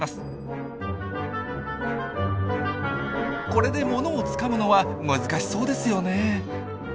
これで物をつかむのは難しそうですよねえ。